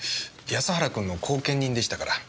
安原君の後見人でしたから。